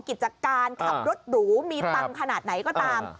กิจการขับรถหรูมีตังค์ขนาดไหนก็ตาม